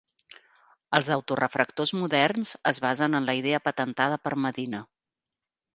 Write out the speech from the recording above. Els auto refractors moderns es basen en la idea patentada per Medina.